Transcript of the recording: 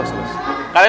di sini ya pak